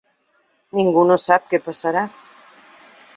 Ningú no sap què passarà.